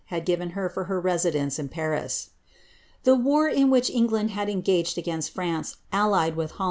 had given her for her residence in Paris.*' r in which Englang was engaged against Fmnce^ allied with ft?